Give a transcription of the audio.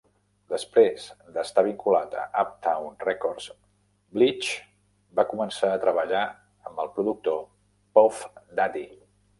Després d'estar vinculat a Uptown Records, Blige va començar treballar amb el productor Puff Daddy.